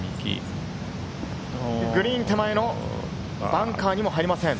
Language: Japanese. グリーン手前のバンカーにも入りません。